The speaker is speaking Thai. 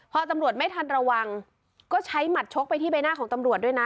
พอตำรวจไม่ทันระวังก็ใช้หมัดชกไปที่ใบหน้าของตำรวจด้วยนะ